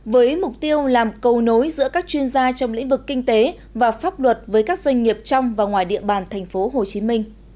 với mục tiêu làm cầu nối giữa các chuyên gia trong lĩnh vực kinh tế và pháp luật với các doanh nghiệp trong và ngoài địa bàn tp hcm